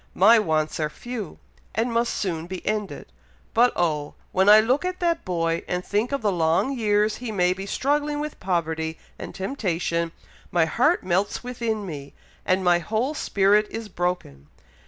My wants are few, and must soon be ended. But oh! when I look at that boy, and think of the long years he may be struggling with poverty and temptation, my heart melts within me, and my whole spirit is broken.